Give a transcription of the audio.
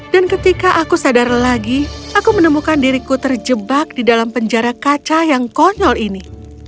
dan ketika aku sadar lagi aku menemukan diriku terjebak di dalam penjara kaca yang konyol ini